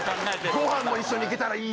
ごはんも一緒に行けたらいい。